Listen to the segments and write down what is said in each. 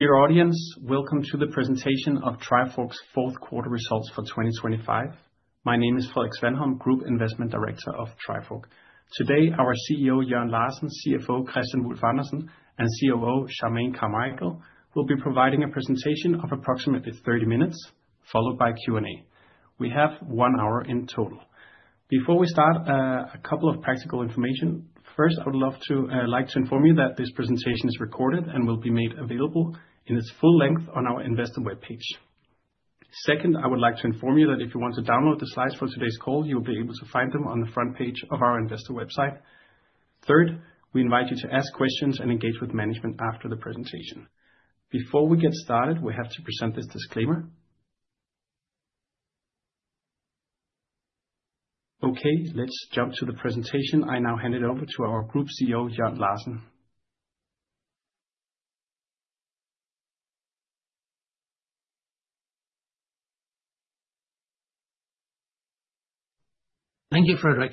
Dear audience, welcome to the presentation of Trifork's fourth quarter results for 2025. My name is Frederik Svanholm, Group Investment Director of Trifork. Today, our CEO, Jørn Larsen, CFO, Kristian Wulf-Andersen, and COO, Charmaine Carmichael, will be providing a presentation of approximately 30 minutes, followed by Q&A. We have 1 hour in total. Before we start, a couple of practical information. I would love to like to inform you that this presentation is recorded and will be made available in its full length on our investor webpage. I would like to inform you that if you want to download the slides for today's call, you'll be able to find them on the front page of our investor website. We invite you to ask questions and engage with management after the presentation. Before we get started, we have to present this disclaimer. Okay, let's jump to the presentation. I now hand it over to our Group CEO, Jørn Larsen. Thank you, Frederik.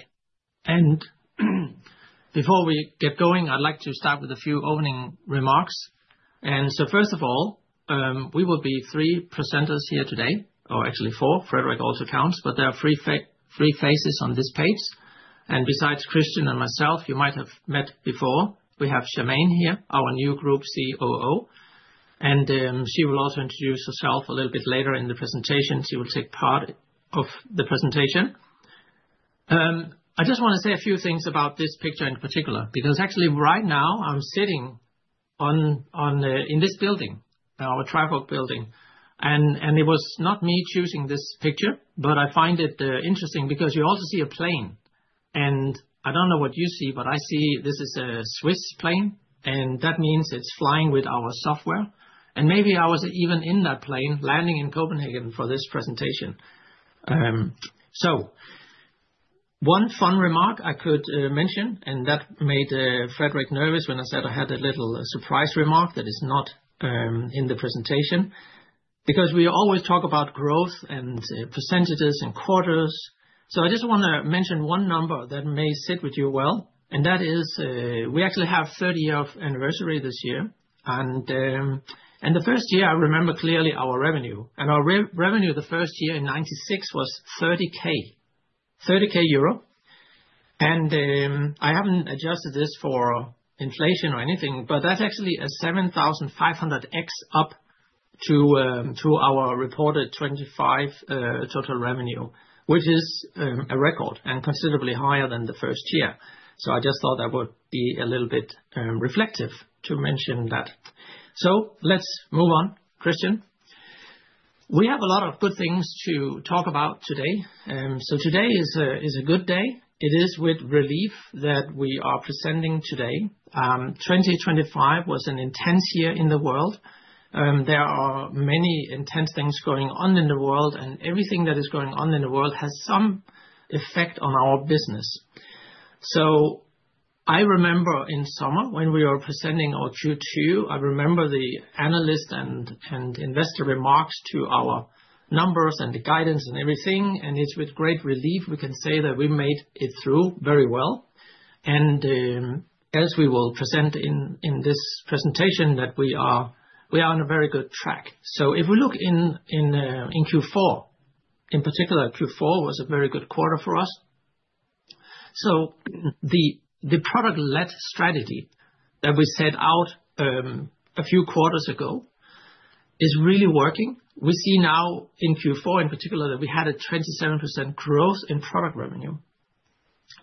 Before we get going, I'd like to start with a few opening remarks. First of all, we will be three presenters here today, or actually four, Frederik also counts, but there are three faces on this page. Besides Kristian and myself, you might have met before, we have Charmaine here, our new Group COO, she will also introduce herself a little bit later in the presentation. She will take part of the presentation. I just wanna say a few things about this picture in particular, because actually right now, I'm sitting in this building, our Trifork building. It was not me choosing this picture, but I find it interesting because you also see a plane, and I don't know what you see, but I see this is a Swiss plane, and that means it's flying with our software. Maybe I was even in that plane landing in Copenhagen for this presentation. One fun remark I could mention, and that made Frederik nervous when I said I had a little surprise remark that is not in the presentation, because we always talk about growth and percentages and quarters. I just wanna mention one number that may sit with you well, and that is, we actually have 30th anniversary this year. The first year, I remember clearly our revenue, and our revenue the first year in 1996 was 30K EUR. I haven't adjusted this for inflation or anything, but that's actually a 7,500x up to our reported 25 total revenue, which is a record and considerably higher than the first year. I just thought that would be a little bit reflective to mention that. Let's move on, Kristian. We have a lot of good things to talk about today is a good day. It is with relief that we are presenting today. 2025 was an intense year in the world. There are many intense things going on in the world, everything that is going on in the world has some effect on our business. I remember in summer when we were presenting our Q2, I remember the analyst and investor remarks to our numbers and the guidance and everything, and it's with great relief we can say that we made it through very well. As we will present in this presentation, that we are on a very good track. If we look in Q4, in particular, Q4 was a very good quarter for us. The product-led strategy that we set out a few quarters ago is really working. We see now in Q4, in particular, that we had a 27% growth in product revenue.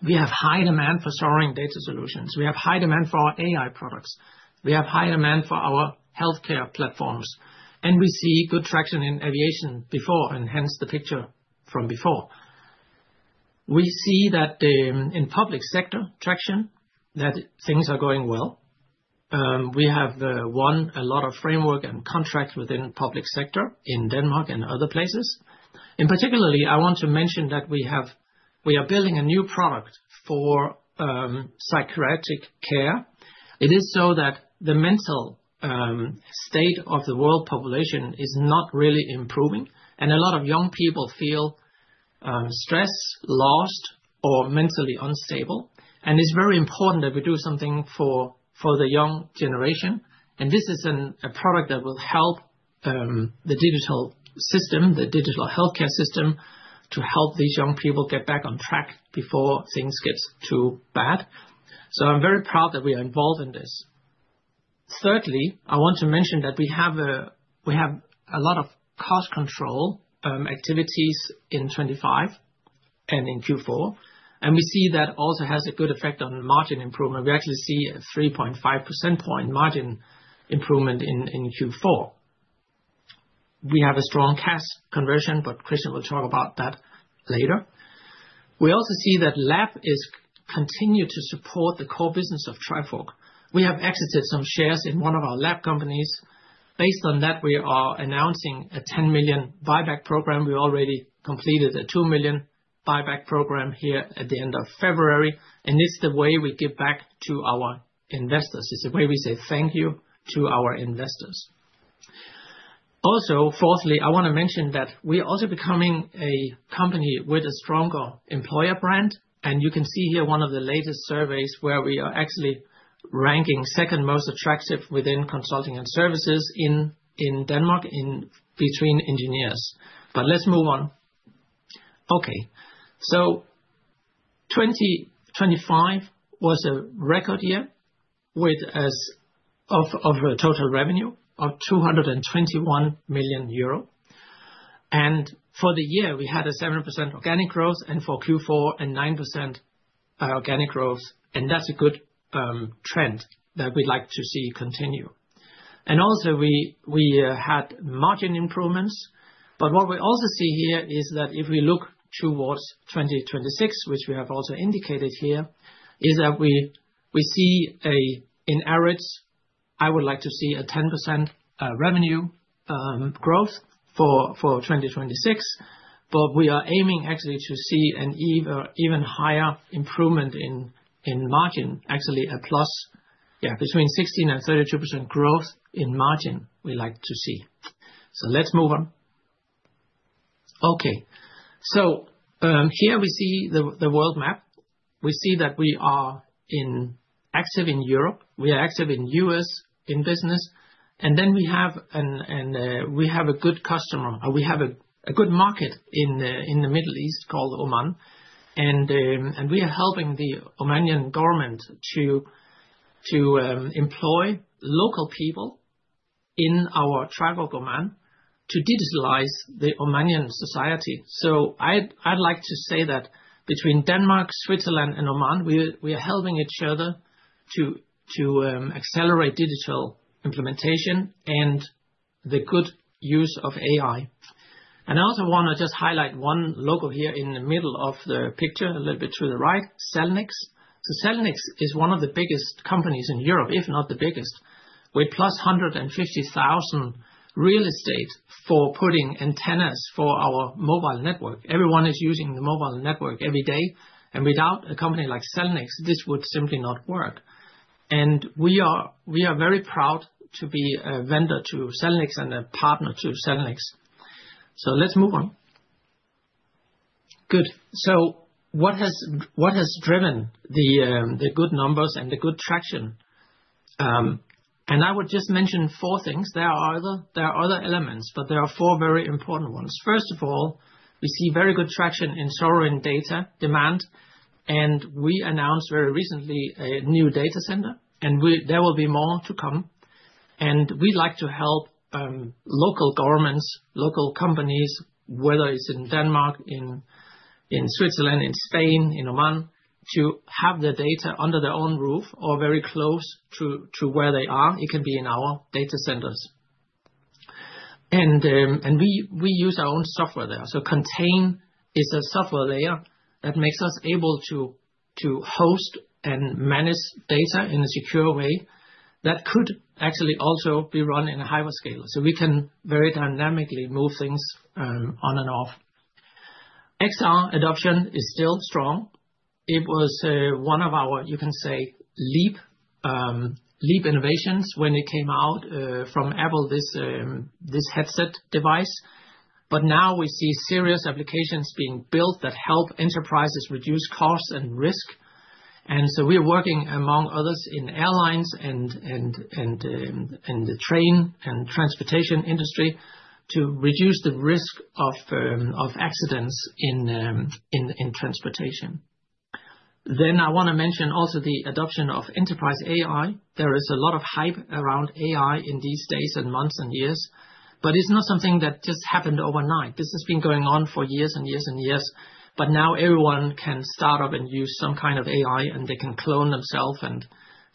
We have high demand for storing data solutions. We have high demand for our AI products. We have high demand for our healthcare platforms, and we see good traction in aviation before, and hence the picture from before. We see that in public sector traction, that things are going well. We have won a lot of framework and contracts within the public sector in Denmark and other places. In particular, I want to mention that we are building a new product for psychiatric care. It is so that the mental state of the world population is not really improving, and a lot of young people feel stressed, lost, or mentally unstable. It's very important that we do something for the young generation. This is a product that will help the digital system, the digital healthcare system, to help these young people get back on track before things get too bad. I'm very proud that we are involved in this. Thirdly, I want to mention that we have a lot of cost control activities in 2025 and in Q4. We see that also has a good effect on the margin improvement. We actually see a 3.5 percentage point margin improvement in Q4. We have a strong cash conversion. Kristian will talk about that later. We also see that Lab is continued to support the core business of Trifork. We have exited some shares in one of our Lab companies. Based on that, we are announcing a 10 million buyback program. We already completed a 2 million buyback program here at the end of February. This is the way we give back to our investors. It's the way we say thank you to our investors. Fourthly, I wanna mention that we are also becoming a company with a stronger employer brand. You can see here one of the latest surveys, where we are actually ranking second most attractive within consulting and services in Denmark, in between engineers. Let's move on. 2025 was a record year with of a total revenue of 221 million euro. For the year, we had a 7% organic growth, and for Q4, a 9% organic growth. That's a good trend that we'd like to see continue. We had margin improvements. What we also see here is that if we look towards 2026, which we have also indicated here, is that we see a, in average, I would like to see a 10% revenue growth for 2026. We are aiming actually to see an even higher improvement in margin. Actually, a plus, yeah, between 16% and 32% growth in margin, we like to see. Let's move on. Here we see the world map. We see that we are active in Europe, we are active in U.S., in business. We have a good market in the Middle East, called Oman. We are helping the Omani government to employ local people in our tribe of Oman to digitalize the Omani society. I'd like to say that between Denmark, Switzerland, and Oman, we are helping each other to accelerate digital implementation and the good use of AI. I also wanna just highlight one logo here in the middle of the picture, a little bit to the right, Cellnex. Cellnex is one of the biggest companies in Europe, if not the biggest, with + 150,000 real estate for putting antennas for our mobile network. Everyone is using the mobile network every day, and without a company like Cellnex, this would simply not work. We are very proud to be a vendor to Cellnex and a partner to Cellnex. Let's move on. Good. What has driven the good numbers and the good traction? I would just mention four things. There are other elements, but there are four very important ones. First of all, we see very good traction in sovereign data demand. We announced very recently a new data center, and there will be more to come. We'd like to help local governments, local companies, whether it's in Denmark, in Switzerland, in Spain, in Oman, to have their data under their own roof or very close to where they are. It can be in our data centers. We use our own software there. Contain is a software layer that makes us able to host and manage data in a secure way that could actually also be run in a hyperscaler. We can very dynamically move things on and off. XR adoption is still strong. It was one of our, you can say, leap innovations when it came out from Apple, this headset device. Now we see serious applications being built that help enterprises reduce costs and risk. We're working, among others, in airlines and the train and transportation industry to reduce the risk of accidents in transportation. I wanna mention also the adoption of Enterprise AI. There is a lot of hype around AI in these days and months and years, but it's not something that just happened overnight. This has been going on for years and years and years, but now everyone can start up and use some kind of AI, and they can clone themselves,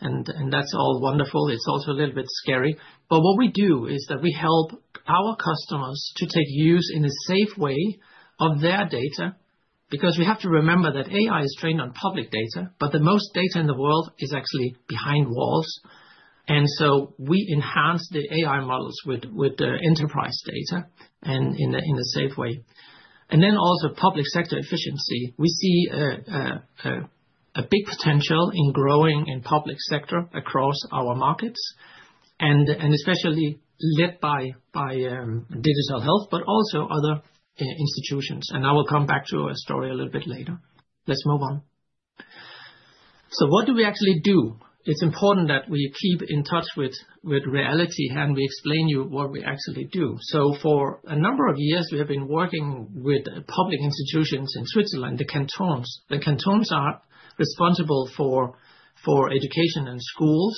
and that's all wonderful. It's also a little bit scary. What we do is that we help our customers to take use in a safe way of their data, because we have to remember that AI is trained on public data, but the most data in the world is actually behind walls. So we enhance the AI models with the enterprise data in a safe way. Then also public sector efficiency. We see a big potential in growing in public sector across our markets, and especially led by digital health, but also other institutions. I will come back to a story a little bit later. Let's move on. What do we actually do? It's important that we keep in touch with reality, and we explain to you what we actually do. For a number of years, we have been working with public institutions in Switzerland, the cantons. The cantons are responsible for education and schools,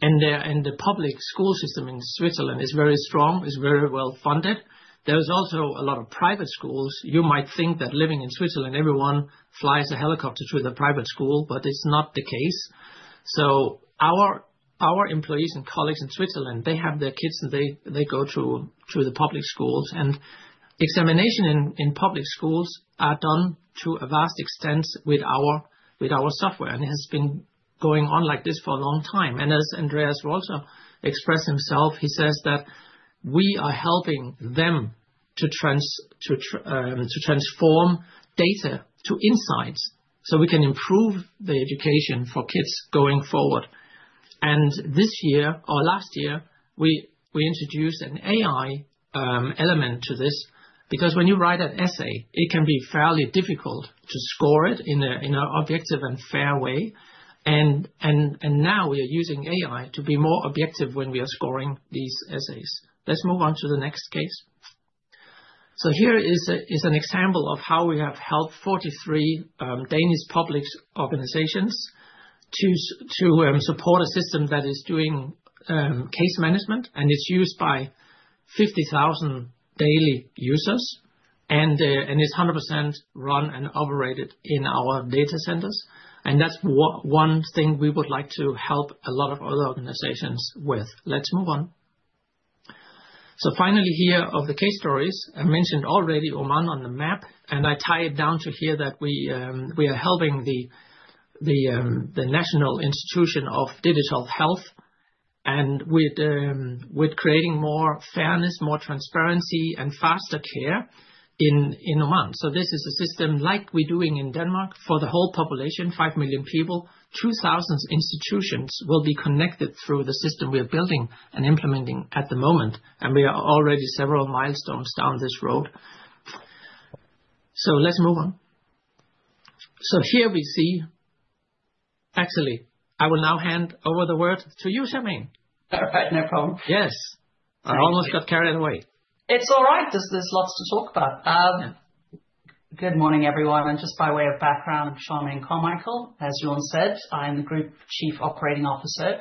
and the public school system in Switzerland is very strong, is very well funded. There is also a lot of private schools. You might think that living in Switzerland, everyone flies a helicopter to the private school, but it's not the case. Our employees and colleagues in Switzerland, they have their kids, they go to the public schools. Examination in public schools are done to a vast extent with our software, and it has been going on like this for a long time. As Andreas also expressed himself, he says that we are helping them to transform data to insights so we can improve the education for kids going forward. This year or last year, we introduced an AI element to this, because when you write an essay, it can be fairly difficult to score it in an objective and fair way. Now we are using AI to be more objective when we are scoring these essays. Let's move on to the next case. Here is an example of how we have helped 43 Danish public organizations to support a system that is doing case management, and it's used by 50,000 daily users, and it's 100% run and operated in our data centers. That's one thing we would like to help a lot of other organizations with. Let's move on. Finally, here, of the case stories, I mentioned already Oman on the map, and I tie it down to here that we are helping the National Institute for Digital Health, with creating more fairness, more transparency, and faster care in Oman. This is a system like we're doing in Denmark for the whole population, 5 million people. 2,000 institutions will be connected through the system we are building and implementing at the moment, and we are already several milestones down this road. Let's move on. Here we see. Actually, I will now hand over the word to you, Charmaine. Perfect. No problem. Yes. I almost got carried away. It's all right. There's lots to talk about. Good morning, everyone. Just by way of background, Charmaine Carmichael, as Jørn said, I am the Group Chief Operating Officer.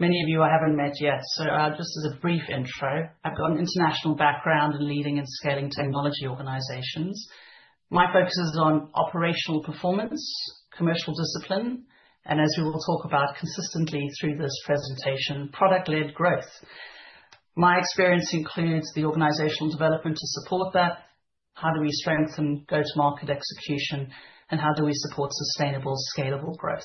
Many of you I haven't met yet, so just as a brief intro, I've got an international background in leading and scaling technology organizations. My focus is on operational performance, commercial discipline, and as we will talk about consistently through this presentation, product-led growth. My experience includes the organizational development to support that, how do we strengthen go-to-market execution, and how do we support sustainable, scalable growth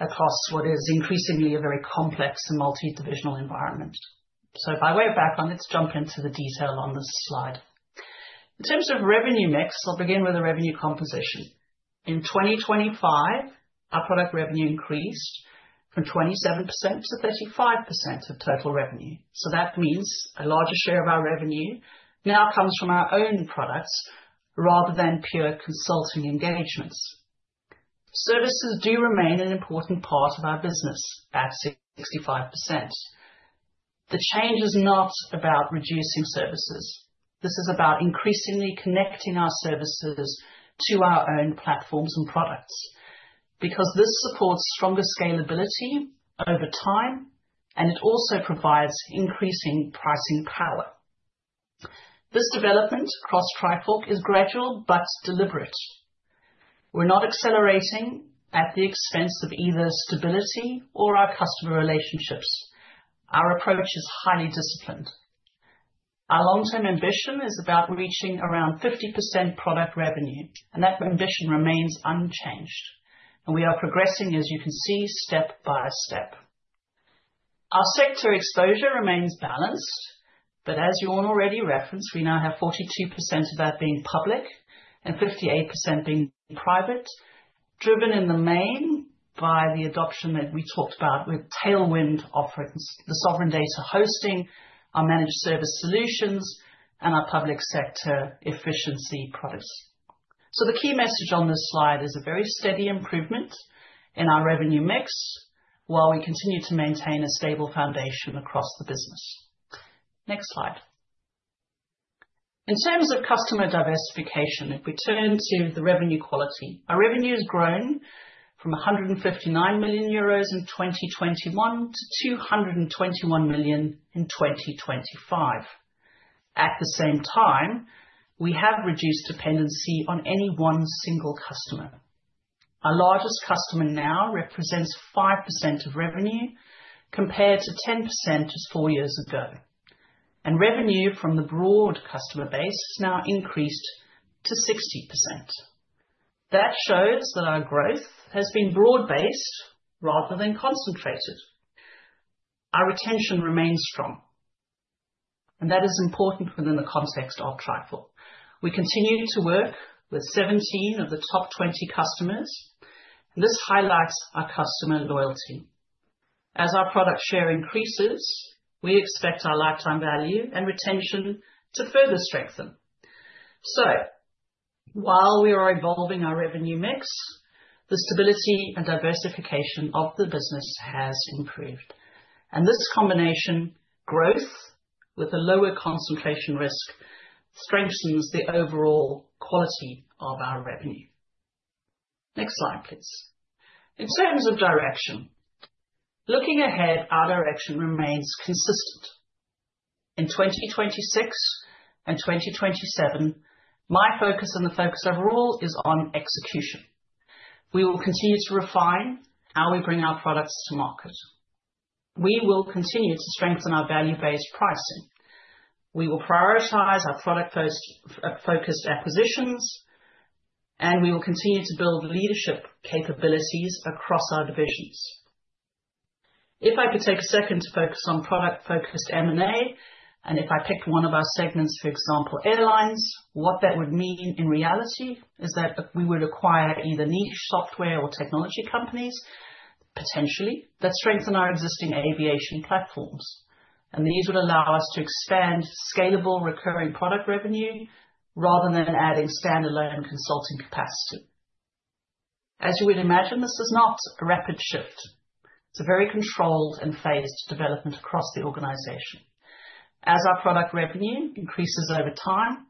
across what is increasingly a very complex and multidivisional environment. By way of background, let's jump into the detail on this slide. In terms of revenue mix, I'll begin with the revenue composition. In 2025, our product revenue increased from 27%-35% of total revenue. That means a larger share of our revenue now comes from our own products rather than pure consulting engagements. Services do remain an important part of our business at 65%. The change is not about reducing services. This is about increasingly connecting our services to our own platforms and products, because this supports stronger scalability over time, and it also provides increasing pricing power. This development across Trifork is gradual but deliberate. We're not accelerating at the expense of either stability or our customer relationships. Our approach is highly disciplined. Our long-term ambition is about reaching around 50% product revenue, and that ambition remains unchanged, and we are progressing, as you can see, step by step. As Jørn already referenced, we now have 42% of that being public and 58% being private, driven in the main by the adoption that we talked about with Tailwind offerings, the sovereign data hosting, our managed service solutions, and our public sector efficiency products. The key message on this slide is a very steady improvement in our revenue mix while we continue to maintain a stable foundation across the business. Next slide. In terms of customer diversification, if we turn to the revenue quality, our revenue has grown from 159 million euros in 2021 to 221 million in 2025. At the same time, we have reduced dependency on any one single customer. Our largest customer now represents 5% of revenue, compared to 10% just four years ago. Revenue from the broad customer base has now increased to 60%. That shows that our growth has been broad-based rather than concentrated. Our retention remains strong. That is important within the context of Trifork. We continue to work with 17 of the top 20 customers. This highlights our customer loyalty. As our product share increases, we expect our lifetime value and retention to further strengthen. While we are evolving our revenue mix, the stability and diversification of the business has improved. This combination, growth with a lower concentration risk, strengthens the overall quality of our revenue. Next slide, please. In terms of direction, looking ahead, our direction remains consistent. In 2026 and 2027, my focus and the focus overall is on execution. We will continue to refine how we bring our products to market. We will continue to strengthen our value-based pricing. We will prioritize our product-post focused acquisitions. We will continue to build leadership capabilities across our divisions. If I could take a second to focus on product-focused M&A, if I pick one of our segments, for example, airlines, what that would mean in reality is that if we were to acquire either niche software or technology companies, potentially, that strengthen our existing aviation platforms, these would allow us to expand scalable, recurring product revenue rather than adding standalone consulting capacity. As you would imagine, this is not a rapid shift. It's a very controlled and phased development across the organization. As our product revenue increases over time,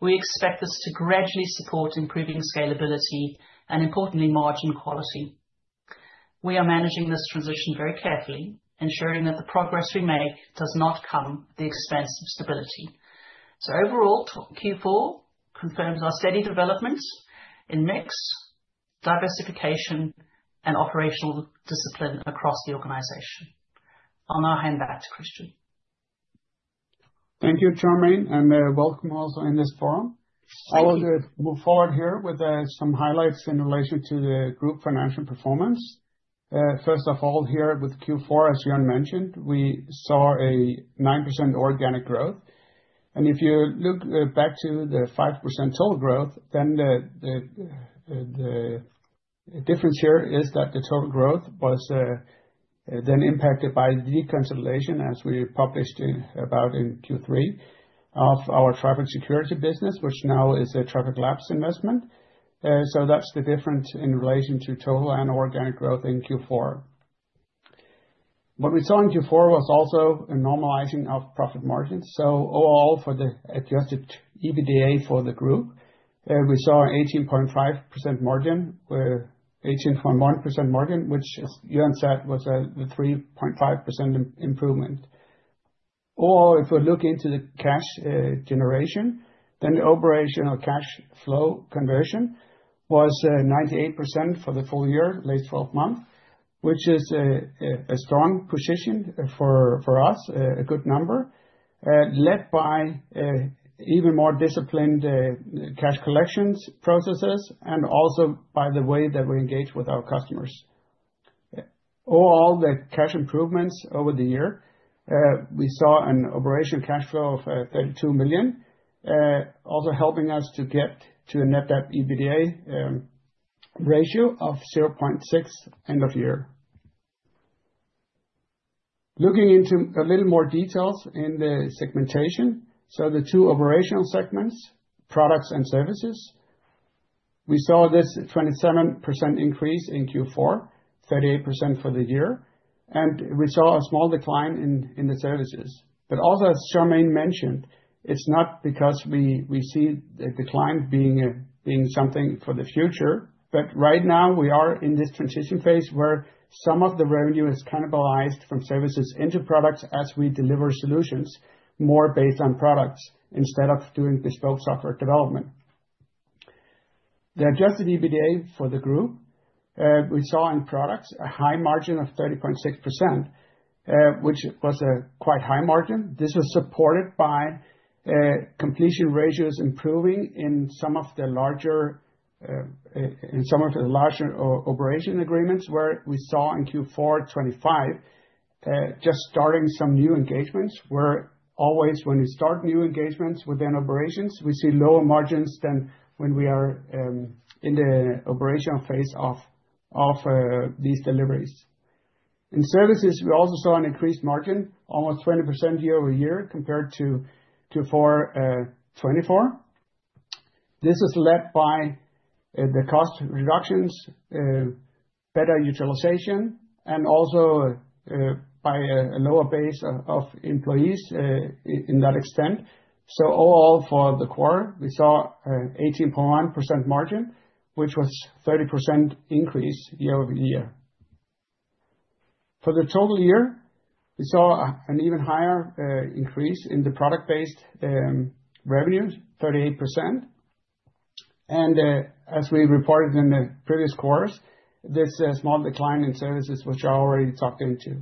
we expect this to gradually support improving scalability and, importantly, margin quality. We are managing this transition very carefully, ensuring that the progress we make does not come at the expense of stability. Overall, Q4 confirms our steady development in mix, diversification, and operational discipline across the organization. I'll now hand back to Kristian. Thank you, Charmaine, and welcome also in this forum. I will move forward here with some highlights in relation to the group financial performance. First of all, here with Q4, as Jørn mentioned, we saw a 9% organic growth, and if you look back to the 5% total growth, then the difference here is that the total growth was then impacted by deconsolidation, as we published about in Q3, of our Trifork Security business, which now is a Trifork Labs investment. So that's the difference in relation to total and organic growth in Q4. What we saw in Q4 was also a normalizing of profit margins. Overall, for the Adjusted EBITDA for the group, we saw 18.5% margin, 18.1% margin, which, as Jørn said, was the 3.5% improvement. If we look into the cash generation, the operational cash flow conversion was 98% for the full year, late 12th month, which is a strong position for us, a good number, led by a even more disciplined cash collections processes and also by the way that we engage with our customers. Overall, the cash improvements over the year, we saw an operational cash flow of 32 million, also helping us to get to a Net Debt to EBITDA ratio of 0.6 end of year. Looking into a little more details in the segmentation, the two operational segments, products and services, we saw this 27% increase in Q4, 38% for the year, and we saw a small decline in the services. Also, as Charmaine mentioned, it's not because we see the decline being something for the future, but right now we are in this transition phase where some of the revenue is cannibalized from services into products as we deliver solutions more based on products instead of doing bespoke software development. The Adjusted EBITDA for the group, we saw in products a high margin of 30.6%, which was a quite high margin. This was supported by completion ratios improving in some of the larger operation agreements, where we saw in Q4 2025 just starting some new engagements, where always when we start new engagements within operations, we see lower margins than when we are in the operational phase of these deliveries. In services, we also saw an increased margin, almost 20% year-over-year, compared to 2024. This is led by the cost reductions, better utilization and also by a lower base of employees in that extent. All for the quarter, we saw 18.1% margin, which was 30% increase year-over-year. For the total year, we saw an even higher increase in the product-based revenue, 38%. As we reported in the previous quarters, this small decline in services, which I already talked into.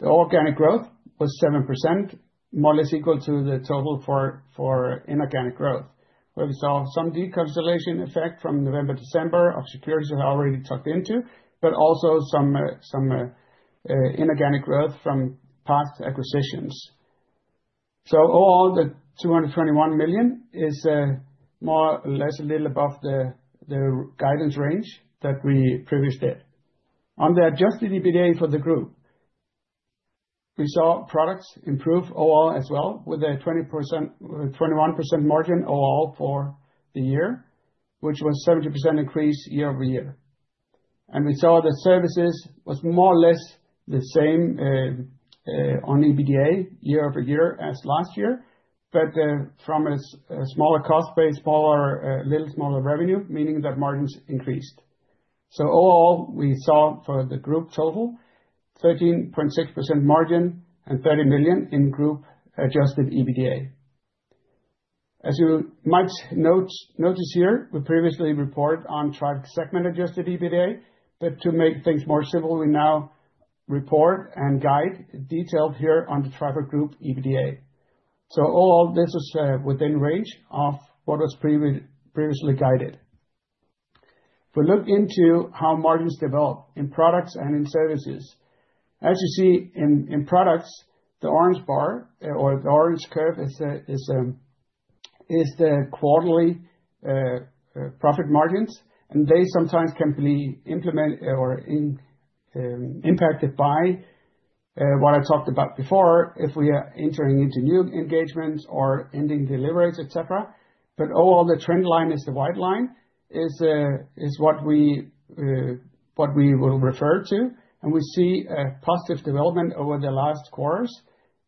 The organic growth was 7%, more or less equal to the total for inorganic growth, where we saw some deconsolidation effect from November, December of Trifork Security I already talked into, but also some inorganic growth from past acquisitions. All, the 221 million is more or less a little above the guidance range that we previously did. On the Adjusted EBITDA for the group, we saw products improve overall as well, with a 21% margin overall for the year, which was 70% increase year-over-year. We saw the services was more or less the same on EBITDA year-over-year as last year, from a smaller cost base, smaller little smaller revenue, meaning that margins increased. All, we saw for the group total, 13.6% margin and 30 million in Group Adjusted EBITDA. As you might note, notice here, we previously reported on Trifork segment-Adjusted EBITDA, but to make things more simple, we now report and guide detailed here on the Trifork Group EBITDA. All of this is within range of what was previously guided. If we look into how margins develop in products and in services, as you see in products, the orange bar, or the orange curve is the quarterly profit margins, and they sometimes can be impacted by what I talked about before, if we are entering into new engagements or ending deliveries, et cetera. All the trend line is the white line, is what we will refer to, and we see a positive development over the last quarters,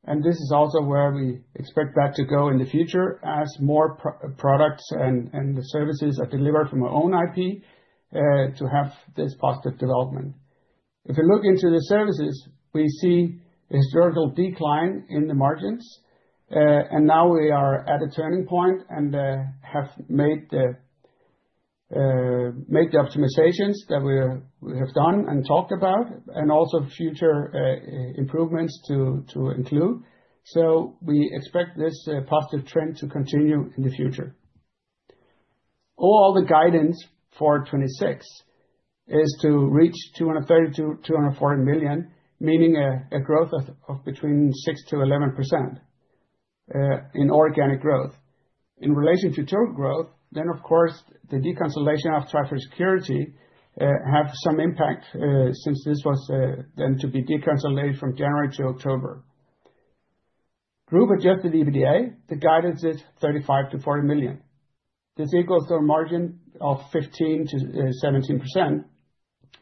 and this is also where we expect that to go in the future as more products and the services are delivered from our own IP to have this positive development. If you look into the services, we see a historical decline in the margins, now we are at a turning point and have made the optimizations that we have done and talked about, and also future improvements to include. We expect this positive trend to continue in the future. The guidance for 2026 is to reach 230 million-240 million, meaning a growth of between 6%-11% in organic growth. In relation to total growth, of course, the deconsolidation of Trifork Security have some impact since this was then to be deconsolidated from January to October. Group Adjusted EBITDA, the guidance is 35 million-40 million. This equals to a margin of 15%-17%,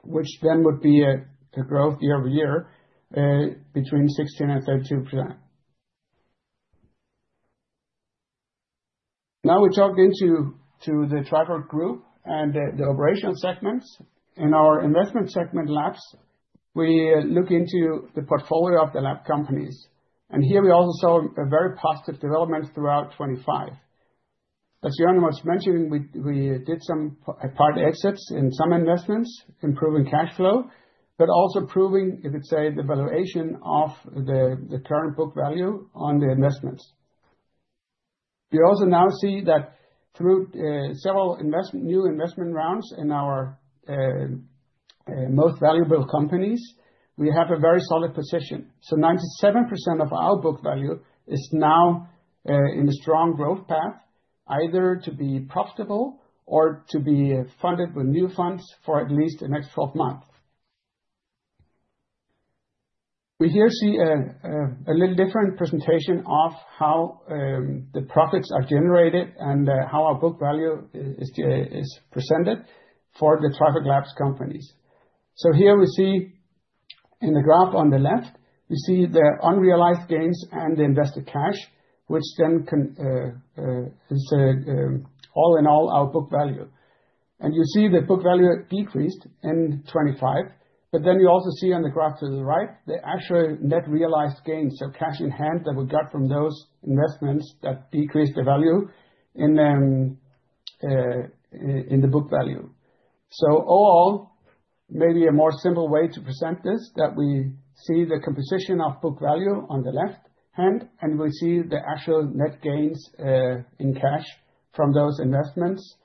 which would be a growth year-over-year between 16% and 32%. We talked into the Trifork Group and the operational segments. In our investment segment Labs, we look into the portfolio of the Lab companies, here we also saw a very positive development throughout 2025. As Jørn was mentioning, we did some part exits in some investments, improving cash flow, but also proving, you could say, the valuation of the current book value on the investments. We also now see that through several new investment rounds in our most valuable companies, we have a very solid position. 97% of our book value is now in a strong growth path, either to be profitable or to be funded with new funds for at least the next 12 months. We here see a little different presentation of how the profits are generated and how our book value is presented for the Trifork Labs companies. Here we see, in the graph on the left, we see the unrealized gains and the invested cash, which then is all in all our book value. You see the book value decreased in 2025, but then you also see on the graph to the right, the actual net realized gains, so cash in hand that we got from those investments that decreased the value in the book value. All, maybe a more simple way to present this, that we see the composition of book value on the left hand, and we see the actual net gains in cash from those investments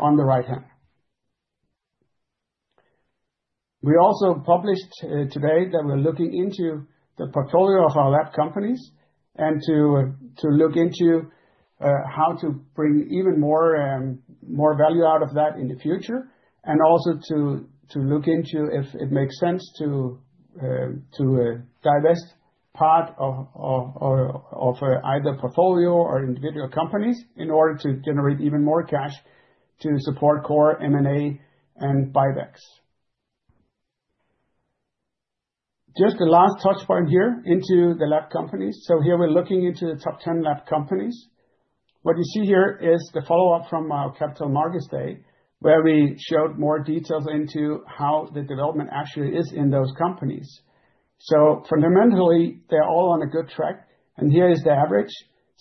on the right hand. We also published today that we're looking into the portfolio of our lab companies and to look into how to bring even more value out of that in the future, and also to look into if it makes sense to divest part of either portfolio or individual companies in order to generate even more cash to support core M&A and buybacks. Just a last touch point here into the lab companies. Here we're looking into the top 10 lab companies. What you see here is the follow-up from our capital markets day, where we showed more details into how the development actually is in those companies. Fundamentally, they're all on a good track, and here is the average.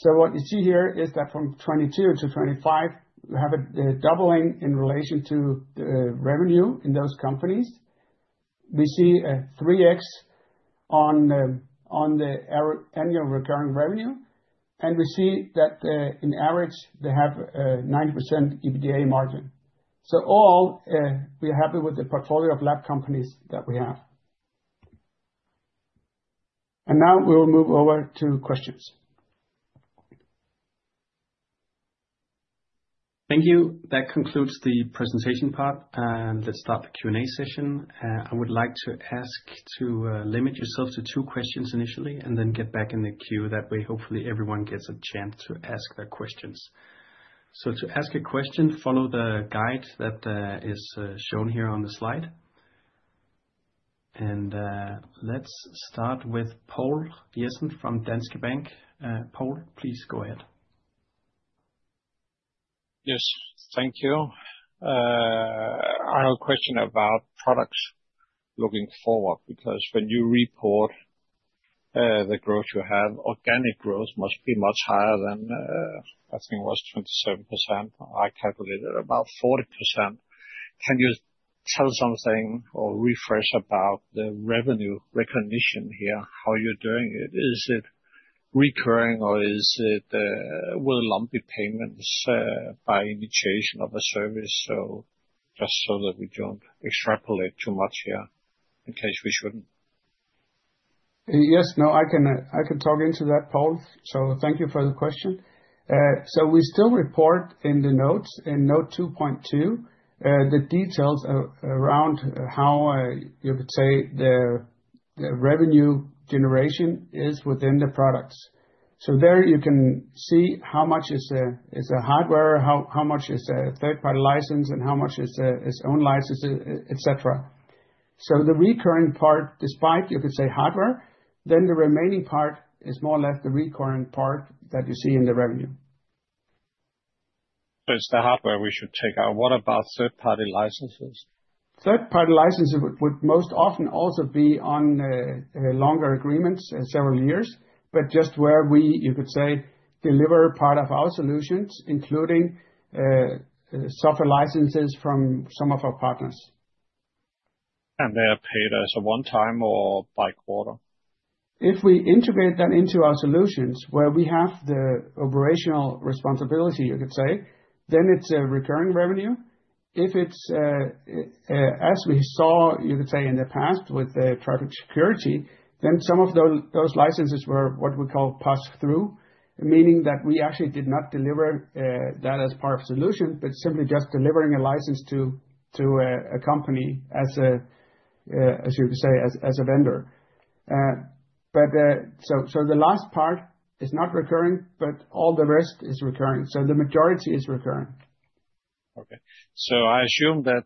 What you see here is that from 2022-2025, we have a doubling in relation to the revenue in those companies. We see a 3x on the annual recurring revenue, and we see that in average, they have 9% EBITDA margin. All, we are happy with the portfolio of lab companies that we have. Now we will move over to questions. Thank you. That concludes the presentation part, and let's start the Q&A session. I would like to ask to limit yourselves to two questions initially and then get back in the queue. That way, hopefully, everyone gets a chance to ask their questions. To ask a question, follow the guide that is shown here on the slide. Let's start with Poul Jessen from Danske Bank. Poul, please go ahead. Yes, thank you. I have a question about products looking forward, because when you report, the growth you have, organic growth must be much higher than, I think it was 27%. I calculated about 40%. Tell something or refresh about the revenue recognition here, how you're doing it. Is it recurring or is it with lumpy payments by indication of a service? Just so that we don't extrapolate too much here, in case we shouldn't. Yes, no, I can, I can talk into that, Poul. Thank you for the question. We still report in the notes, in note 2.2, the details around how, you would say, the revenue generation is within the products. There you can see how much is a hardware, how much is a third-party license, and how much is own license, et cetera. The recurring part, despite, you could say, hardware, then the remaining part is more or less the recurring part that you see in the revenue. It's the hardware we should take out. What about third-party licenses? Third-party license would most often also be on longer agreements, several years, but just where we, you could say, deliver part of our solutions, including software licenses from some of our partners. They are paid as a one time or by quarter? If we integrate that into our solutions, where we have the operational responsibility, you could say, then it's a recurring revenue. If it's as we saw, you could say in the past with Trifork Security, then some of those licenses were what we call pass-through, meaning that we actually did not deliver that as part of solution, but simply just delivering a license to a company as a as you could say, as a vendor. The last part is not recurring, but all the rest is recurring, so the majority is recurring. I assume that,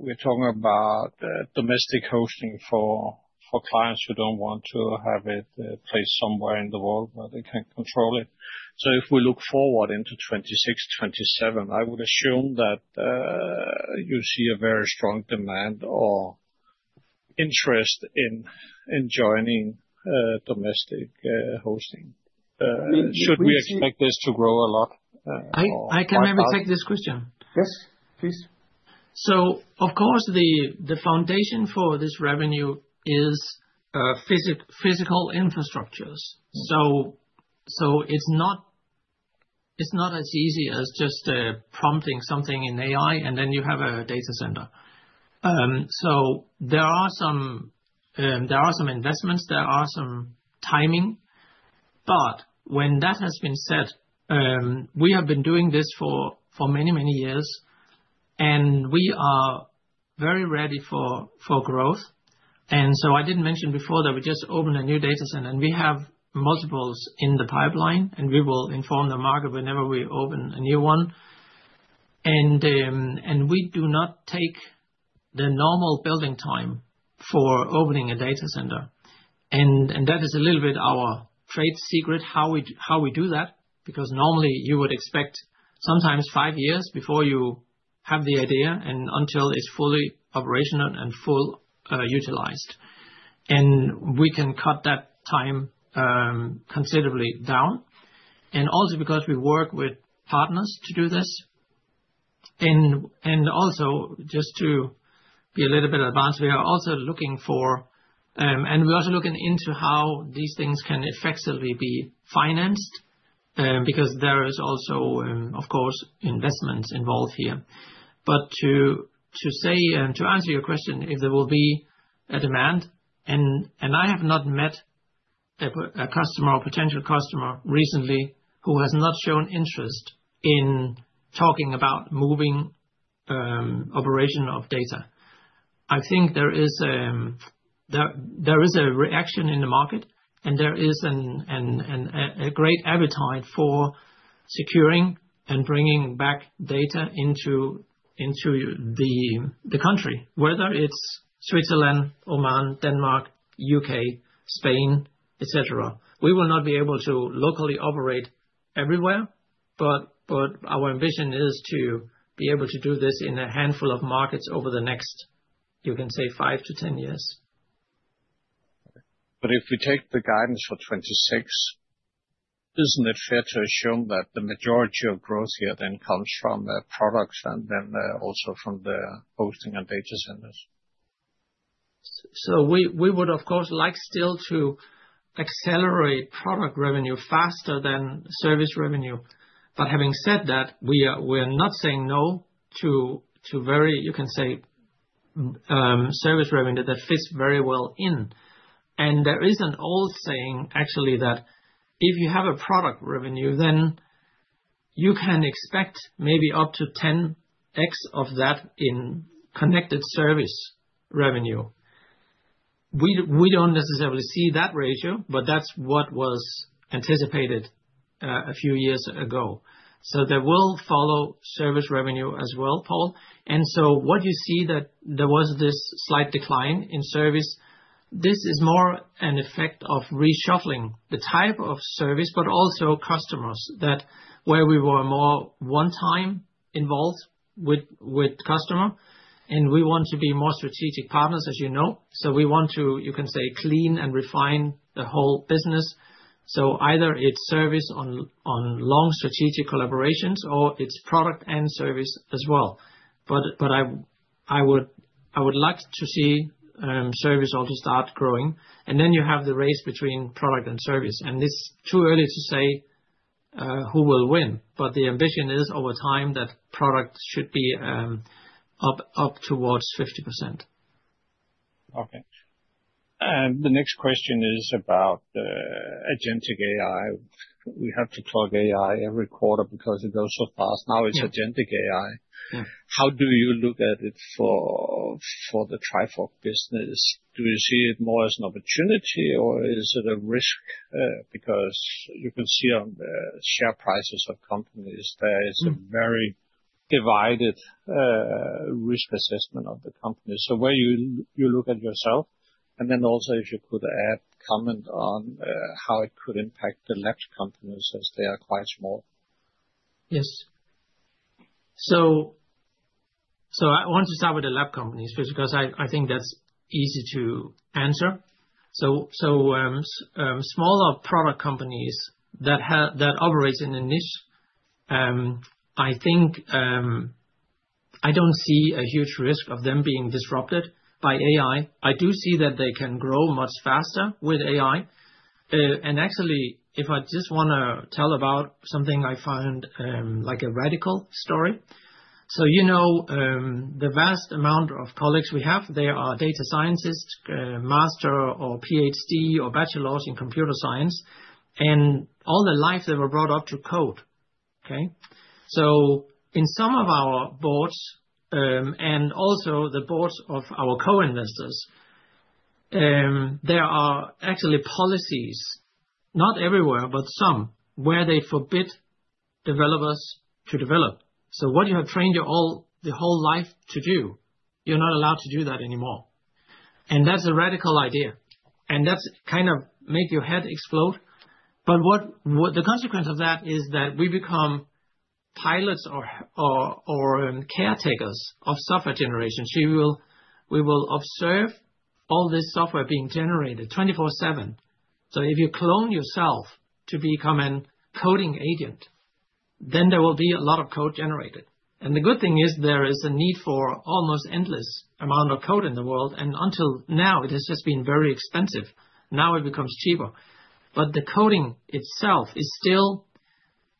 we're talking about, domestic hosting for clients who don't want to have it placed somewhere in the world where they can't control it. If we look forward into 2026, 2027, I would assume that, you see a very strong demand or interest in joining, domestic, hosting. Should we expect this to grow a lot? I can maybe take this question. Yes, please. Of course, the foundation for this revenue is physical infrastructures. It's not as easy as just prompting something in AI, and then you have a data center. There are some investments, there are some timing, but when that has been said, we have been doing this for many years, and we are very ready for growth. I didn't mention before that we just opened a new data center, and we have multiples in the pipeline, and we will inform the market whenever we open a new one. We do not take the normal building time for opening a data center. That is a little bit our trade secret, how we do that, because normally you would expect sometimes five years before you have the idea and until it's fully operational and full utilized. We can cut that time considerably down. Also because we work with partners to do this, and also just to be a little bit advanced, we are also looking for, and we're also looking into how these things can effectively be financed, because there is also, of course, investments involved here. To say, to answer your question, if there will be a demand, I have not met a customer or potential customer recently who has not shown interest in talking about moving operation of data. I think there is a reaction in the market, and there is a great appetite for securing and bringing back data into the country, whether it's Switzerland, Oman, Denmark, U.K., Spain, et cetera. We will not be able to locally operate everywhere, but our vision is to be able to do this in a handful of markets over the next, you can say, 5 years-10 years. If we take the guidance for 2026, isn't it fair to assume that the majority of growth here then comes from the products and then also from the hosting and data centers? We would, of course, like still to accelerate product revenue faster than service revenue. Having said that, we're not saying no to very, you can say, service revenue that fits very well in. There is an old saying, actually, that if you have a product revenue, then you can expect maybe up to 10x of that in connected service revenue. We don't necessarily see that ratio, but that's what was anticipated a few years ago. There will follow service revenue as well, Poul. What you see that there was this slight decline in service, this is more an effect of reshuffling the type of service, but also customers that where we were more one time involved with customer, and we want to be more strategic partners, as you know. We want to, you can say, clean and refine the whole business. Either it's service on long strategic collaborations or it's product and service as well. I would like to see service also start growing, and then you have the race between product and service, and it's too early to say who will win, but the ambition is, over time, that product should be up towards 50%. Okay. The next question is about Agentic AI. We have to plug AI every quarter because it goes so fast. Now it's Agentic AI. Yeah. How do you look at it for the Trifork business? Do you see it more as an opportunity, or is it a risk? Because you can see on the share prices of companies, there is a very divided risk assessment of the company. Where you look at yourself, and then also, if you could add comment on how it could impact the lab companies, as they are quite small. Yes. I want to start with the lab companies, because I think that's easy to answer. Smaller product companies that operates in a niche, I think, I don't see a huge risk of them being disrupted by AI. I do see that they can grow much faster with AI. And actually, if I just wanna tell about something I find, like a radical story. You know, the vast amount of colleagues we have, they are data scientists, master or PhD or bachelor's in computer science, and all their lives, they were brought up to code. Okay? In some of our boards, and also the boards of our co-investors, there are actually policies, not everywhere, but some, where they forbid developers to develop. What you have trained your whole life to do, you're not allowed to do that anymore. That's a radical idea, and that's kind of make your head explode. What the consequence of that is that we become pilots or caretakers of software generation. We will observe all this software being generated twenty-four/seven. If you clone yourself to become a coding agent, then there will be a lot of code generated. The good thing is there is a need for almost endless amount of code in the world, and until now, it has just been very expensive. Now it becomes cheaper. The coding itself is still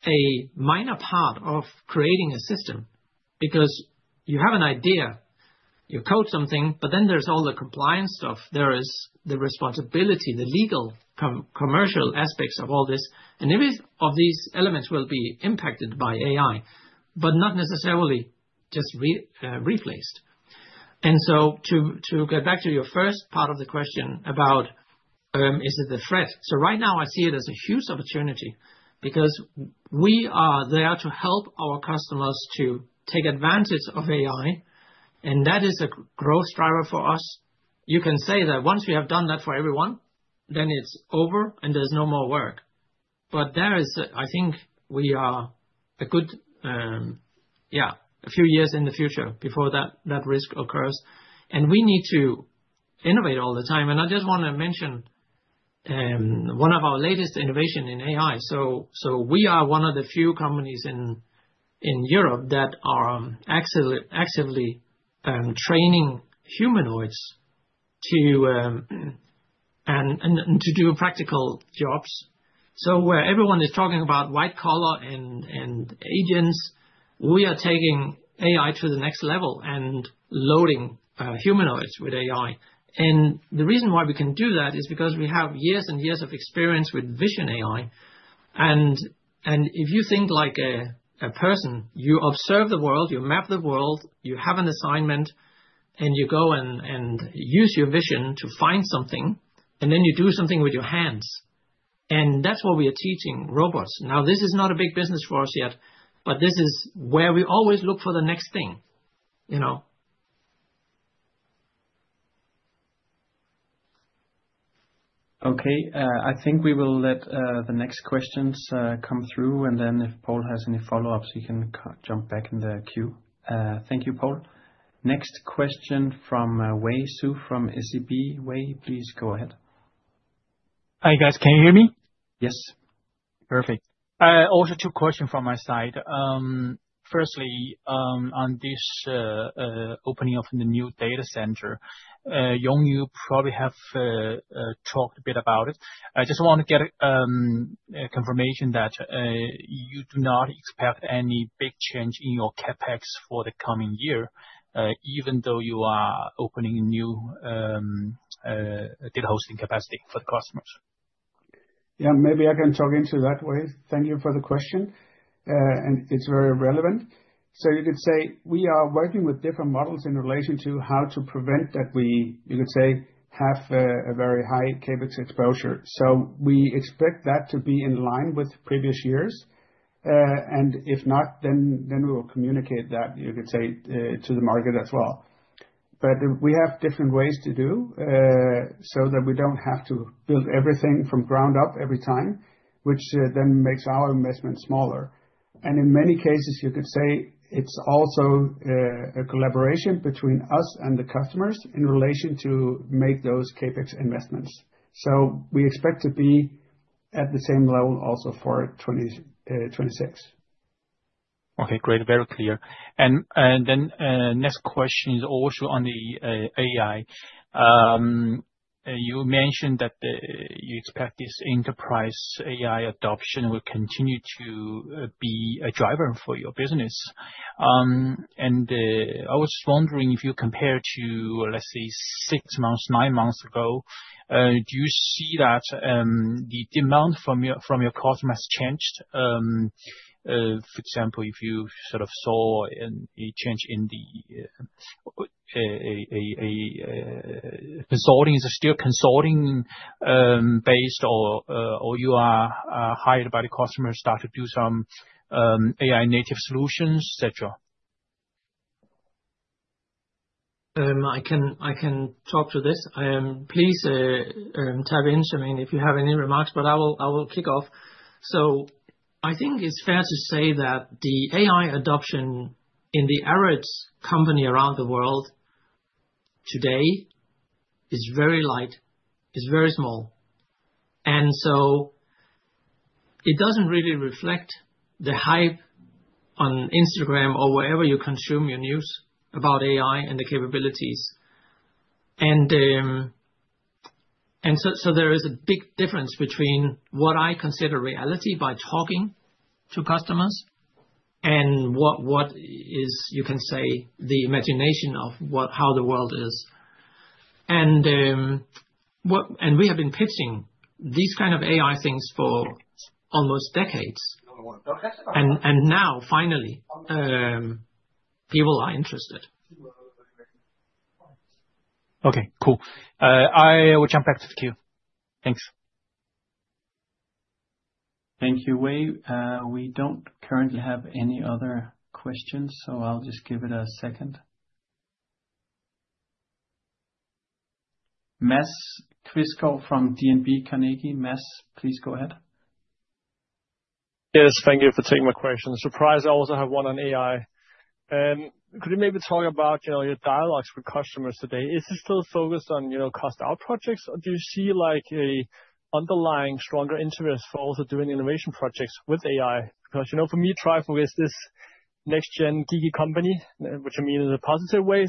a minor part of creating a system, because you have an idea, you code something, but then there's all the compliance stuff. There is the responsibility, the legal, commercial aspects of all this, and every of these elements will be impacted by AI, but not necessarily just replaced. To get back to your first part of the question about, is it a threat? Right now, I see it as a huge opportunity because we are there to help our customers to take advantage of AI, and that is a growth driver for us. You can say that once we have done that for everyone, then it's over, and there's no more work. There is. I think we are a good, yeah, a few years in the future before that risk occurs, and we need to innovate all the time. I just wanna mention one of our latest innovations in AI. We are one of the few companies in Europe that are actively training humanoids to do practical jobs. Where everyone is talking about white collar and agents, we are taking AI to the next level and loading humanoids with AI. The reason why we can do that is because we have years and years of experience with Vision AI. If you think like a person, you observe the world, you map the world, you have an assignment, and you go and use your vision to find something, and then you do something with your hands. That's what we are teaching robots. Now, this is not a big business for us yet, but this is where we always look for the next thing, you know. Okay, I think we will let the next questions come through, and then if Paul has any follow-ups, he can jump back in the queue. Thank you, Paul. Next question from Wei Xu from SEB. Wei, please go ahead. Hi, guys. Can you hear me? Yes. Perfect. Also two question from my side. Firstly, on this opening of the new data center, Jørn, you probably have talked a bit about it. I just want to get confirmation that you do not expect any big change in your CapEx for the coming year, even though you are opening a new data hosting capacity for the customers. Yeah, maybe I can talk into that, Wei. Thank you for the question. It's very relevant. You could say, we are working with different models in relation to how to prevent that we, you could say, have a very high CapEx exposure. We expect that to be in line with previous years, and if not, then we will communicate that, you could say, to the market as well. We have different ways to do so that we don't have to build everything from ground up every time, which then makes our investment smaller. In many cases, you could say it's also a collaboration between us and the customers in relation to make those CapEx investments. We expect to be at the same level also for 2026. Okay, great. Very clear. Then, next question is also on the AI. You mentioned that you expect this Enterprise AI adoption will continue to be a driver for your business. I was wondering if you compare to, let's say, six months, nine months ago, do you see that the demand from your customers changed? For example, if you sort of saw a change in the consulting, is it still consulting based or you are hired by the customer start to do some AI native solutions, et cetera? I can talk to this. Please dive in, Charmaine, if you have any remarks, but I will kick off. I think it's fair to say that the AI adoption in the average company around the world today is very light, is very small. It doesn't really reflect the hype on Instagram or wherever you consume your news about AI and the capabilities. There is a big difference between what I consider reality by talking to customers and what is, you can say, the imagination of how the world is. We have been pitching these kind of AI things for almost decades. Now, finally, people are interested. Okay, cool. I will jump back to the queue. Thanks. Thank you, Wei. We don't currently have any other questions, so I'll just give it a second. Mads Quistgaard from DNB Carnegie. Mads, please go ahead. Yes, thank you for taking my question. Surprised I also have one on AI. Could you maybe talk about, you know, your dialogues with customers today? Is it still focused on, you know, cost out projects, or do you see, like, an underlying stronger interest for also doing innovation projects with AI? Because, you know, for me, Trifork is this next gen geeky company, which I mean in a positive way.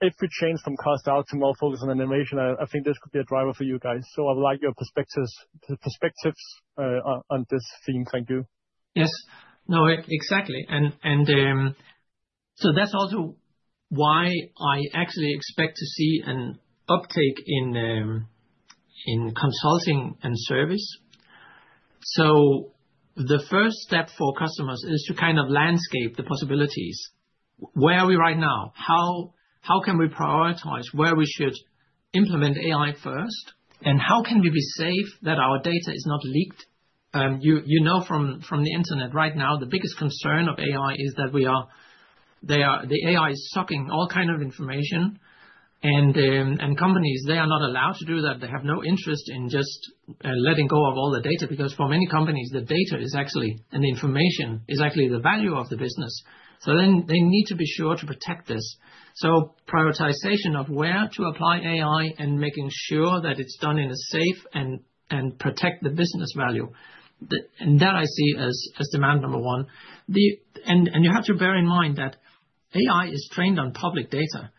If we change from cost out to more focus on innovation, I think this could be a driver for you guys. I would like your perspectives on this theme. Thank you. Yes. No, exactly. That's also why I actually expect to see an uptake in consulting and service. The first step for customers is to kind of landscape the possibilities. Where are we right now? How can we prioritize where we should implement AI first, and how can we be safe that our data is not leaked? you know from the internet right now, the biggest concern of AI is that the AI is sucking all kind of information, and companies, they are not allowed to do that. They have no interest in just letting go of all the data, because for many companies, the data is actually, and the information, is actually the value of the business. They need to be sure to protect this. Prioritization of where to apply AI and making sure that it's done in a safe and protect the business value. That I see as demand number one. You have to bear in mind that AI is trained on public data,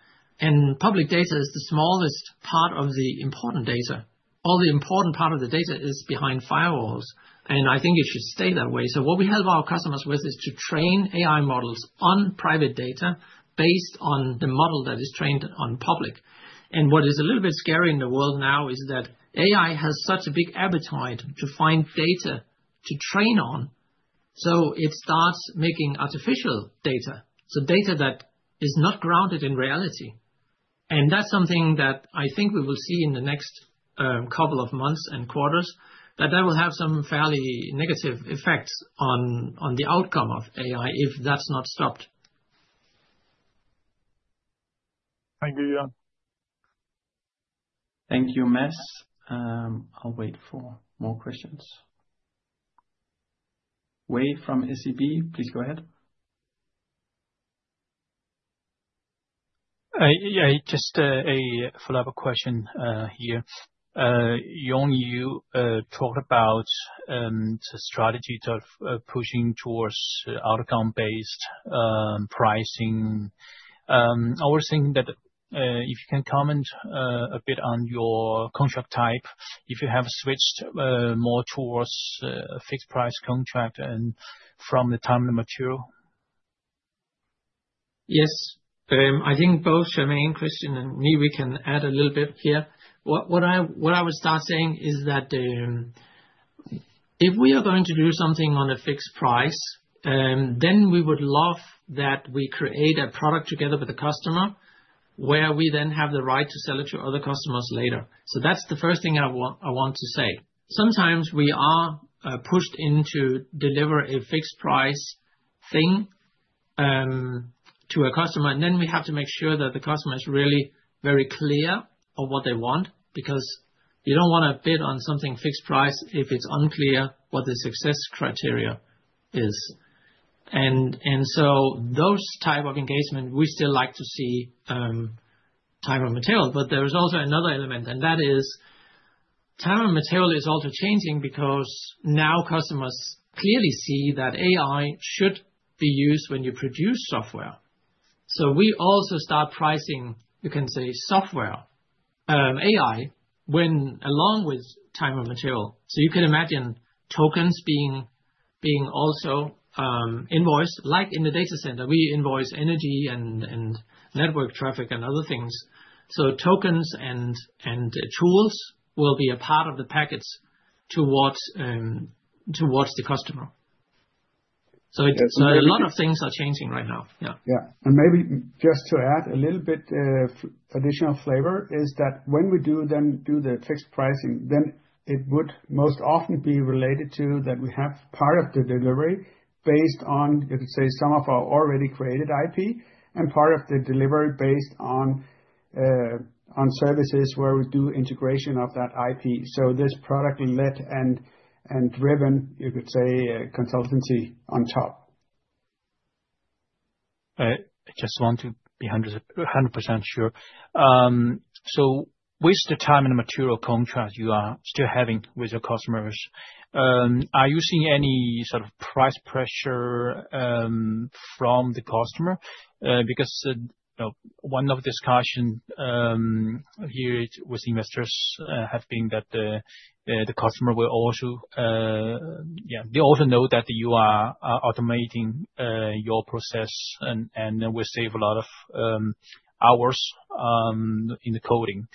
and public data is the smallest part of the important data. All the important part of the data is behind firewalls, and I think it should stay that way. What we help our customers with is to train AI models on private data based on the model that is trained on public. What is a little bit scary in the world now is that AI has such a big appetite to find data to train on, so it starts making artificial data, so data that is not grounded in reality. That's something that I think we will see in the next couple of months and quarters, that will have some fairly negative effects on the outcome of AI if that's not stopped. Thank you. Thank you, Mads. I'll wait for more questions. Wei from SEB, please go ahead. Yeah, just a follow-up question here. Jørn, you talked about the strategy of pushing towards outcome-based pricing. I was thinking that if you can comment a bit on your contract type, if you have switched more towards a fixed price contract and from the time of the material? Yes. I think both Charmaine, Kristian, and me, we can add a little bit here. I would start saying is that if we are going to do something on a fixed price, then we would love that we create a product together with the customer, where we then have the right to sell it to other customers later. That's the first thing I want to say. Sometimes we are pushed into deliver a fixed price thing to a customer, and then we have to make sure that the customer is really very clear on what they want, because you don't wanna bid on something fixed price if it's unclear what the success criteria is. Those type of engagement, we still like to see time and material, but there is also another element. Time and material is also changing because now customers clearly see that AI should be used when you produce software. We also start pricing, you can say, software, AI, when along with time and material. You can imagine tokens being also invoiced. Like in the data center, we invoice energy and network traffic and other things. Tokens and tools will be a part of the packets towards the customer. It's a lot of things are changing right now. Maybe just to add a little bit additional flavor, is that when we do then do the fixed pricing, then it would most often be related to that we have part of the delivery based on, let's say, some of our already created IP, and part of the delivery based on services where we do integration of that IP. This product led and driven, you could say, consultancy on top. I just want to be 100 percent sure. With the time and material contract you are still having with your customers, are you seeing any sort of price pressure from the customer? Because, you know, one of the discussion here with investors have been that the customer will also. Yeah, they also know that you are automating your process and will save a lot of hours in the coding,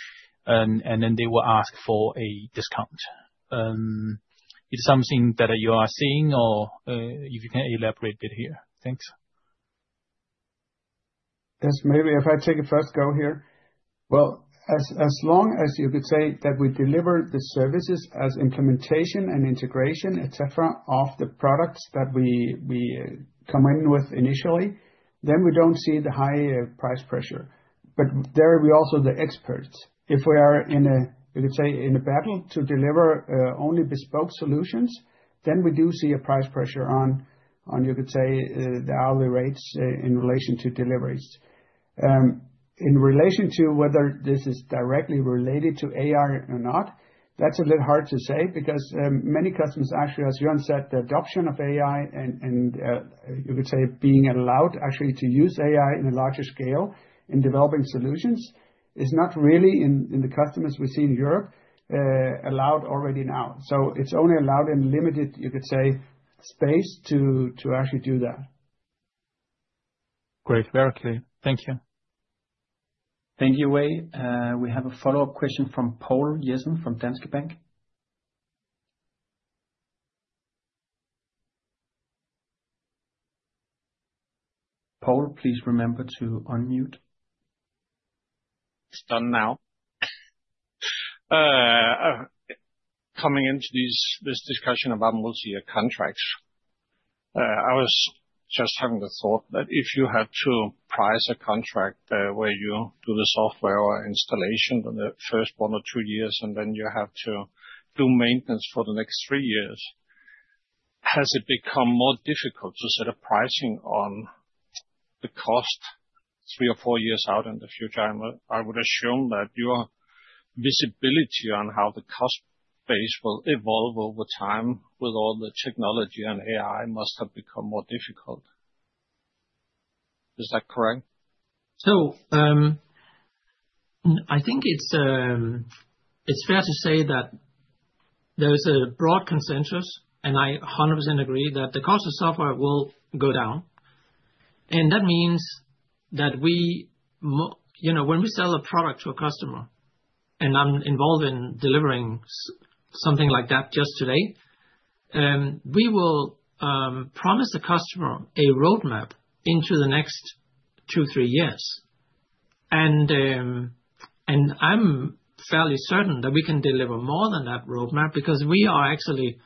and then they will ask for a discount. Is something that you are seeing or if you can elaborate it here? Thanks. Yes, maybe if I take a first go here. Well, as long as you could say that we deliver the services as implementation and integration, et cetera, of the products that we come in with initially, then we don't see the high price pressure. There we're also the experts. If we are in a, you could say, in a battle to deliver only bespoke solutions, then we do see a price pressure on, you could say, the hourly rates in relation to deliveries. In relation to whether this is directly related to AI or not, that's a little hard to say, because many customers, actually, as Jon said, the adoption of AI and, you could say, being allowed actually to use AI in a larger scale in developing solutions, is not really in the customers we see in Europe, allowed already now. It's only allowed in limited, you could say, space to actually do that. Great. Very clear. Thank you. Thank you, Wei. We have a follow-up question from Poul Jessen from Danske Bank. Poul, please remember to unmute. It's done now. Coming into this discussion about multi-year contracts, I was just having the thought that if you had to price a contract, where you do the software or installation on the first one year or two years, and then you have to do maintenance for the next 3 years, has it become more difficult to set a pricing on the cost three years or four years out in the future? I would assume that your visibility on how the cost base will evolve over time with all the technology and AI must have become more difficult. Is that correct? I think it's fair to say that there is a broad consensus, and I 100% agree that the cost of software will go down. That means that we You know, when we sell a product to a customer, and I'm involved in delivering something like that just today, we will promise the customer a roadmap into the next two years, three years. I'm fairly certain that we can deliver more than that roadmap, because we are actually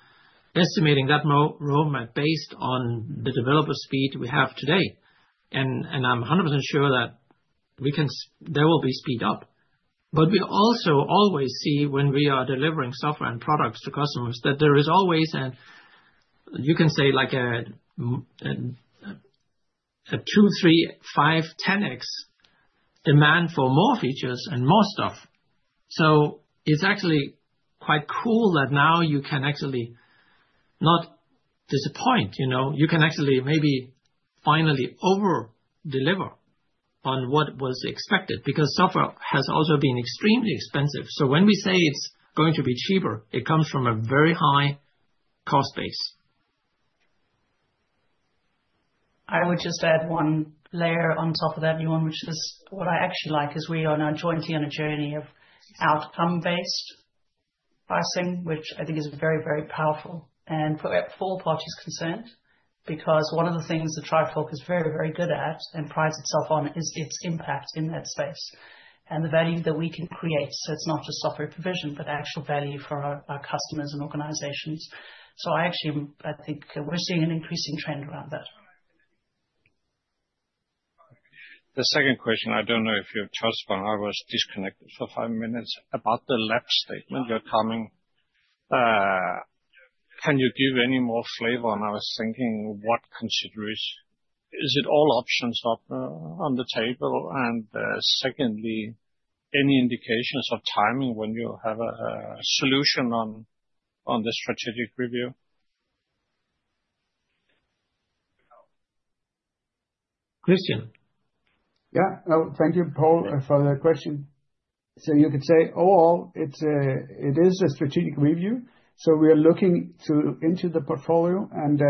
estimating that roadmap based on the developer speed we have today. I'm a 100% sure that we can there will be speed up. We also always see when we are delivering software and products to customers, that there is always an, you can say, like a 2x, 3x, 5x, 10x demand for more features and more stuff. It's actually quite cool that now you can actually not disappoint, you know? You can actually maybe finally over-deliver on what was expected, because software has also been extremely expensive. When we say it's going to be cheaper, it comes from a very high cost base. I would just add one layer on top of that one, which is what I actually like, is we are now jointly on a journey of outcome-based pricing, which I think is very, very powerful and for all parties concerned. One of the things that Trifork is very, very good at and prides itself on, is its impact in that space and the value that we can create. It's not just software provision, but actual value for our customers and organizations. I actually, I think we're seeing an increasing trend around that. The second question, I don't know if you touched on, I was disconnected for 5 minutes, about the Lab statement you're coming. Can you give any more flavor? I was thinking, what is it all options up on the table? Secondly, any indications of timing when you have a solution on the strategic review? Kristian? Yeah. No, thank you, Poul, for the question. You could say, all, it is a strategic review, so we are looking into the portfolio and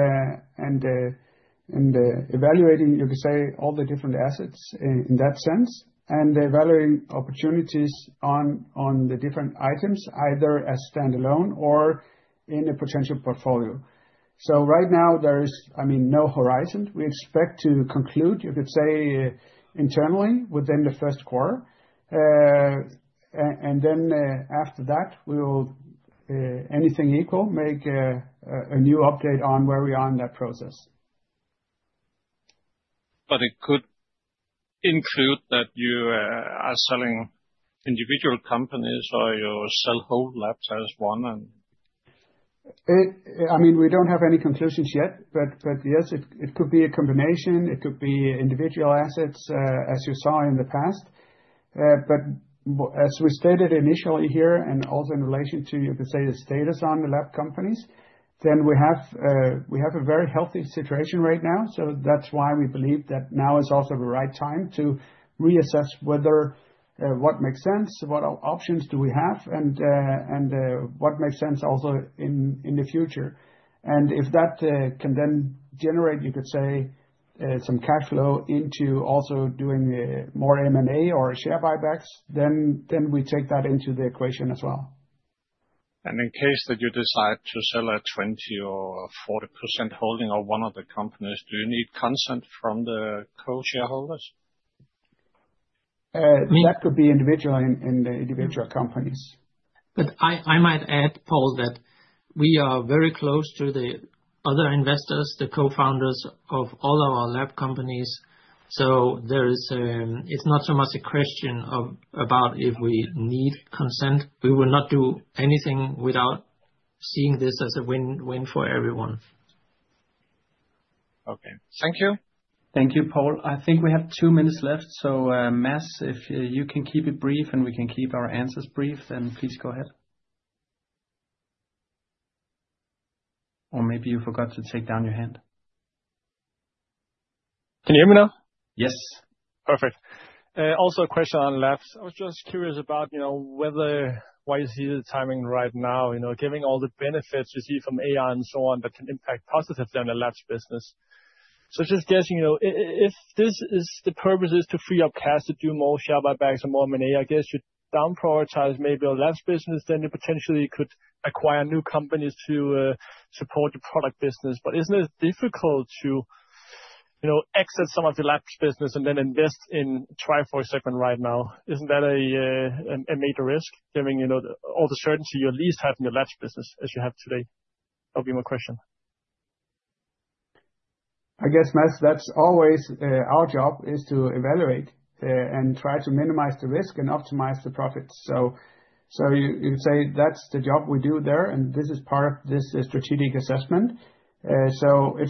evaluating, you could say, all the different assets in that sense, and evaluating opportunities on the different items, either as standalone or in a potential portfolio. Right now there is, I mean, no horizon. We expect to conclude, you could say, internally, within the first quarter. After that, we will, anything equal, make a new update on where we are in that process. It could include that you are selling individual companies or you sell whole Labs as one, and? I mean, we don't have any conclusions yet, but yes, it could be a combination, it could be individual assets, as you saw in the past. As we stated initially here, and also in relation to, you could say, the status on the lab companies, then we have a very healthy situation right now. That's why we believe that now is also the right time to reassess whether what makes sense, what options do we have, and and what makes sense also in the future. If that can then generate, you could say, some cash flow into also doing more M&A or share buybacks, then we take that into the equation as well. In case that you decide to sell a 20% or 40% holding of one of the companies, do you need consent from the co-shareholders? That could be individual in the individual companies. I might add, Paul, that we are very close to the other investors, the co-founders of all our lab companies. It's not so much a question of, about if we need consent. We will not do anything without seeing this as a win-win for everyone. Okay. Thank you. Thank you, Paul. I think we have two minutes left, so, Mads, if you can keep it brief, and we can keep our answers brief, then please go ahead. Maybe you forgot to take down your hand. Can you hear me now? Yes. Perfect. A question on labs. I was just curious about, you know, whether why you see the timing right now, you know, giving all the benefits you see from AI and so on, that can impact positively on the labs business. Just guessing, you know, if this is the purpose is to free up cash to do more share buybacks and more M&A, I guess you down prioritize maybe a labs business, then you potentially could acquire new companies to support your product business. Isn't it difficult to, you know, exit some of the labs business and then invest in Trifork segment right now? Isn't that a major risk, giving, you know, all the certainty you at least have in your labs business as you have today? That would be my question. I guess, Mads, that's always our job, is to evaluate and try to minimize the risk and optimize the profits. You could say that's the job we do there, and this is part of this strategic assessment. It's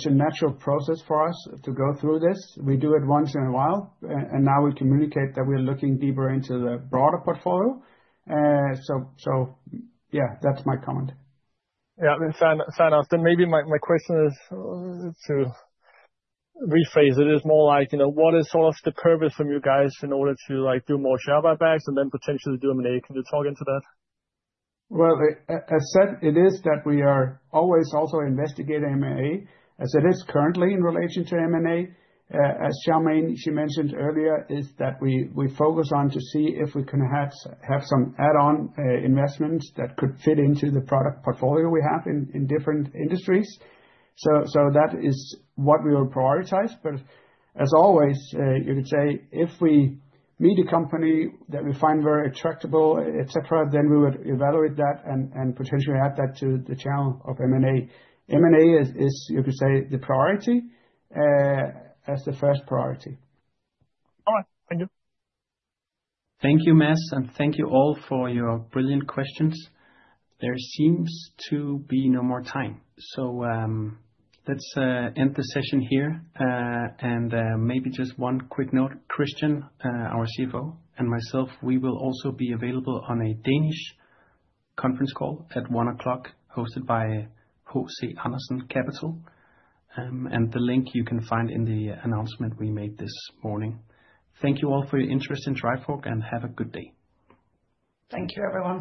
a natural process for us to go through this. We do it once in a while, and now we communicate that we're looking deeper into the broader portfolio. Yeah, that's my comment. Fair enough. Maybe my question is, to rephrase it, is more like, you know, what is sort of the purpose from you guys in order to, like, do more share buybacks and then potentially do M&A? Can you talk into that? Well, as said, it is that we are always also investigating M&A, as it is currently in relation to M&A. As Charmaine, she mentioned earlier, is that we focus on to see if we can have some add-on investments that could fit into the product portfolio we have in different industries. That is what we will prioritize. As always, you could say, if we meet a company that we find very attractable, et cetera, then we would evaluate that and potentially add that to the channel of M&A. M&A is, you could say, the priority, as the first priority. All right. Thank you. Thank you, Mads, and thank you all for your brilliant questions. There seems to be no more time, let's end the session here. Maybe just one quick note, Kristian, our CFO, and myself, we will also be available on a Danish conference call at 1:00 P.M., hosted by HC Andersen Capital. The link you can find in the announcement we made this morning. Thank you all for your interest in Trifork, and have a good day. Thank you, everyone.